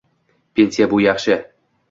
Pensiya — bu yaxshi.